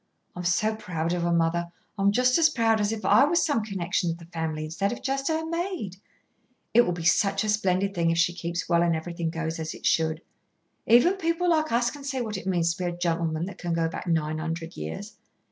I'm so proud of her, mother; I'm just as proud as if I was some connection of the family, instead of just her maid. It'll be such a splendid thing if she keeps well and everything goes as it should. Even people like us can see what it means to a gentleman that can go back nine hundred years.